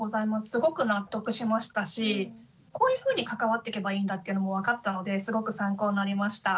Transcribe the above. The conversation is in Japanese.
すごく納得しましたしこういうふうに関わっていけばいいんだっていうのも分かったのですごく参考になりました。